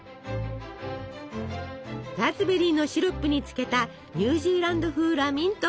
ラズベリーのシロップにつけたニュージーランド風ラミントンも誕生！